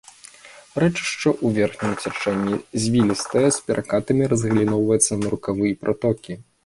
Рэчышча ў верхнім цячэнні звілістае, з перакатамі, разгаліноўваецца на рукавы і пратокі.